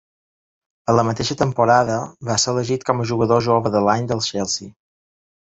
A la mateixa temporada, va ser elegit com a jugador jove de l'any del Chelsea.